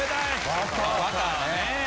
バターね。